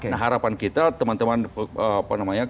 nah harapan kita teman teman